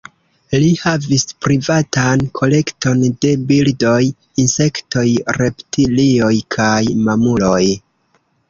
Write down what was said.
Li havis privatan kolekton de birdoj, insektoj, reptilioj kaj mamuloj.